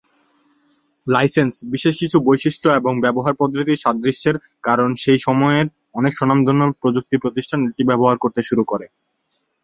Licence, বিশেষ কিছু বৈশিষ্ট্য এবং ব্যবহার পদ্ধতির সাদৃশ্যের কারণ সেই সময়ের অনেক স্বনামধন্য প্রযুক্তি প্রতিষ্ঠান এটি ব্যবহার করতে শুরু করে।